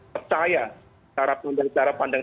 percaya secara pandang